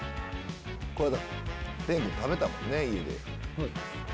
これ蓮君食べたもんね家で。